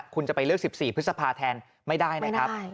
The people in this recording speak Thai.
คุณจะไปเลือก๑๔พฤษภาแทนไม่ได้นะครับ